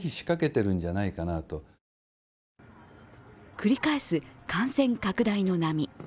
繰り返す感染拡大の波。